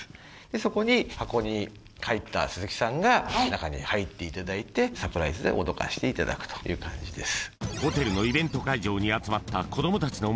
そこに箱に入った鈴木さんが中に入っていただいてサプライズでおどかしていただくという感じです